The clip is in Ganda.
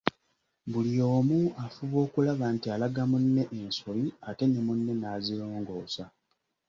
Buli omu afuba okulaba nti alaga munne ensobi ate ne munne nazirongoosa.